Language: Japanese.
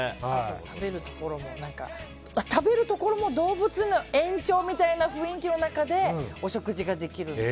食べるところも動物の延長みたいな雰囲気の中でお食事ができるので。